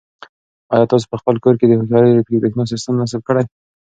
آیا تاسو په خپل کور کې د هوښیارې برېښنا سیسټم نصب کړی؟